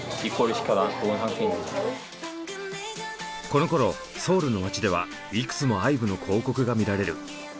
このころソウルの街ではいくつもＩＶＥの広告が見られる。